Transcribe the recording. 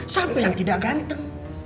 sampai yang tidak ganteng